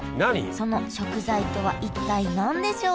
その食材とは一体何でしょう？